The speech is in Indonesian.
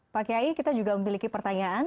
pak kiai kita juga memiliki pertanyaan